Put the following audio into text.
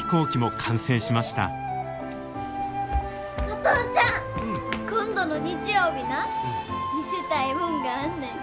お父ちゃん！今度の日曜日な見せたいもんがあんねん。